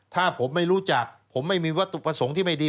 ถ้าผมไม่รู้จักผมไม่มีวัตถุประสงค์ที่ไม่ดี